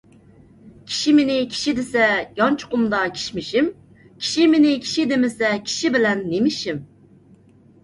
كىشى مېنى كىشى دېسە، يانچۇقۇمدا كىشمىشىم. كىشى مېنى كىشى دېمىسە، كىشى بىلەن نېمە ئىشىم.